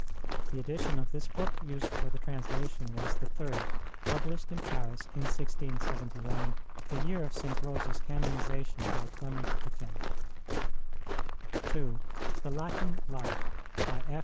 The edition of this book used for the translation was the third, published in Paris in 1671, the year of St. Rose s canonization by Clement X. (2) The Latin Life, by F.